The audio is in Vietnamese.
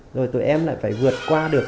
rồi tụi em lại phải vượt qua được